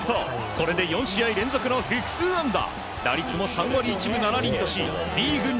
これで４試合連続の複数安打。